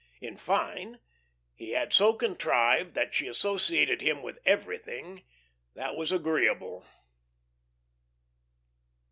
In fine, he had so contrived that she associated him with everything that was agreeable.